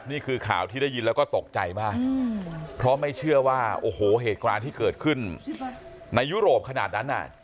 นี่คือข่าวที่ได้ยินแล้วก็ตกใจมากเพราะไม่เชื่อว่าโอ้โหเหตุการณ์ที่เกิดขึ้นในยุโรปขนาดนั้นอ่ะ